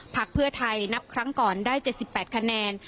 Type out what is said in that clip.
พักเพื่อไทยนับครั้งก่อนได้๗๘คะแนน